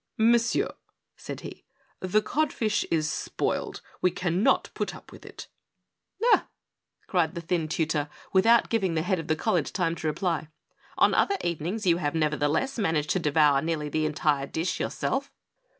" Monsieur," said he, " the codfish is spoiled ; we can not put up with it." BIG MICHU. 817 " Ahl" cried the thin tutor, without giving the head of the college time to reply, "on other evenings you have, nevertheless, managed to devour nearly the entire dish yourself."